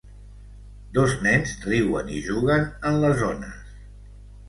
Dos nens riuen i juguen en les ones.